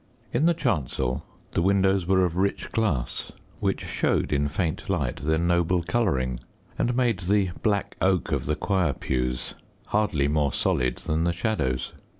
In the chancel, the windows were of rich glass, which showed in faint light their noble colouring, and made the black oak of the choir pews hardly more solid than the shadows.